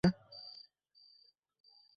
না দেখলে বিশ্বাস করতে পারবেন না।